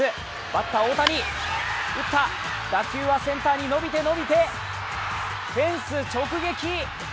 バッター大谷、打った打球はセンターに伸びてフェンス直撃。